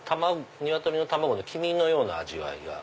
鶏の卵の黄身のような味わいが。